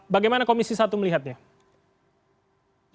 bagaimana komisi satu melihatnya